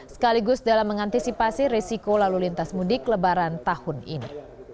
sekaligus dalam mengantisipasi resiko lalu lintas mudik lebaran tahun ini